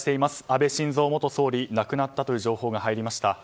安倍晋三元総理が亡くなったという情報が入ってきました。